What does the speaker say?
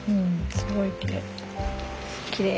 すごいきれい。